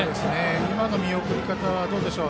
今の見送り方はどうでしょう